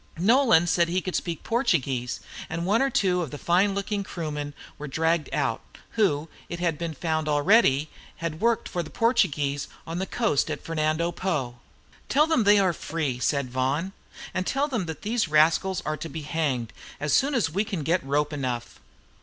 Nolan said he could speak Portuguese, and one or two fine looking Kroomen were dragged out, who, as it had been found already, had worked for the Portuguese on the coast at Fernando Po. "Tell them they are free," said Vaughan; "and tell them that these rascals are to be hanged as soon as we can get rope enough."